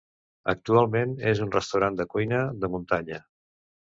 Actualment és un restaurant de cuina de muntanya.